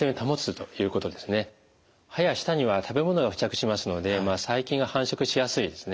歯や舌には食べ物が付着しますので細菌が繁殖しやすいですね。